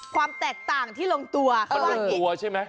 ความแตกต่างที่ลงตัวเขาลงตัวใช่ไหม